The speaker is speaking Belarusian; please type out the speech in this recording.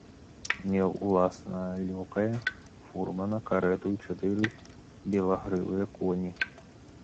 Меў уласнага лёкая, фурмана, карэту і чатыры белагрывыя коні.